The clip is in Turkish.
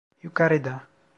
Yukarıda.